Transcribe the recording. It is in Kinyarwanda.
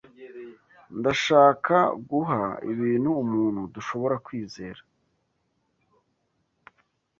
Ndashaka guha ibi umuntu dushobora kwizera.